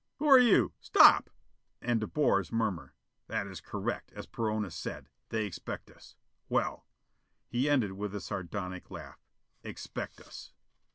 "Who are you? Stop!" And De Boer's murmur: "That is correct, as Perona said. They expect us. Well," he ended with a sardonic laugh, "expect us."